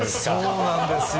そうなんですよ。